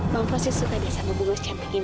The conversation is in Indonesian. mama pasti suka deh sama bunga cantik ini